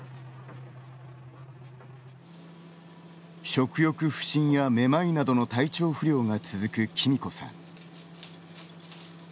食欲不振やめまいなどの体調不良が続くきみこさん。